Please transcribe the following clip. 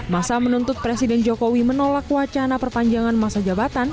masa menuntut presiden jokowi menolak wacana perpanjangan masa jabatan